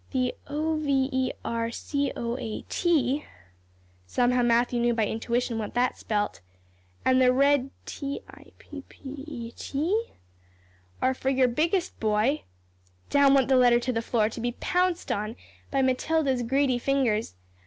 "'The o v e r c o a t,'" somehow Matthew knew by intuition what that spelt, "'and the red t i p p e t are for your biggest boy '" Down went the letter to the floor, to be pounced on by Matilda's greedy fingers.